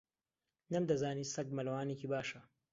نەمدەزانی سەگ مەلەوانێکی باشە.